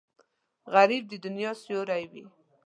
غریب د دنیا سیوری وي